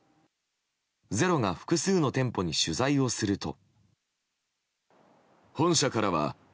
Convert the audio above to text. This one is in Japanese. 「ｚｅｒｏ」が複数の店舗に取材をすると。